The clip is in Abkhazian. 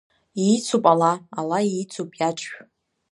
Иицуп ала, ала иицуп иаҿшә.